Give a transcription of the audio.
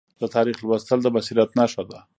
د تاریخ لوستل د بصیرت نښه ده.